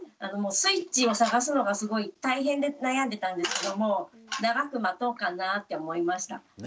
スイッチを探すのがすごい大変で悩んでたんですけども長く待とうかなぁって思いました。